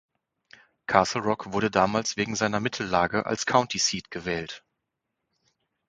Castle Rock wurde damals wegen seiner Mittellage als County Seat gewählt.